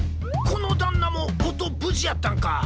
この旦那も音無事やったんか！